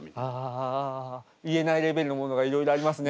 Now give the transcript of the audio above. あ言えないレベルのものがいろいろありますね。